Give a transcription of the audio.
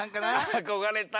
あこがれた。